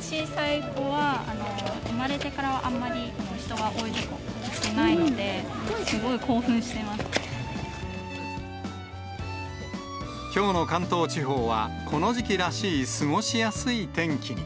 小さい子は、産まれてからあんまり、人が多い所、来てないので、すごい興奮しきょうの関東地方は、この時期らしい過ごしやすい天気に。